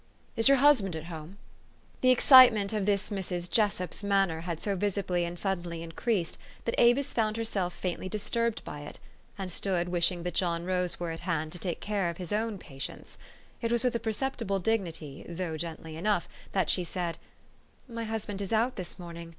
Is your husband at home ?" The excitement of this Mrs. Jessup' s manner had so visibly and suddenly increased, that Avis found herself faintly disturbed by it, and stood wishing that John Rose were at hand to take care of his own " patients." It was with a perceptible dignity, though gentty enough, that she said, " My husband is out this morning.